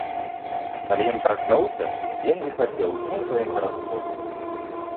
Калі ён прачнуўся, дзень зіхацеў усім сваім хараством.